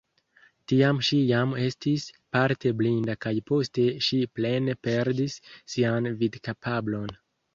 Tiam ŝi jam estis parte blinda kaj poste ŝi plene perdis sian vidkapablon.